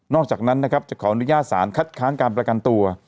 อกจากนั้นนะครับจะขออนุญาตสารคัดค้านการประกันตัว